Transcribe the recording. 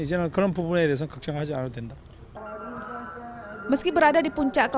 yang sangat menarik